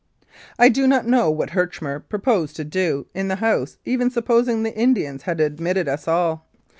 I do not know what Herchmer proposed to do in the house even supposing the Indians had admitted us all.